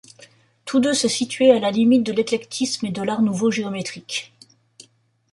Tous deux se situaient à la limite de l'éclectisme et de l'Art nouveau géométrique.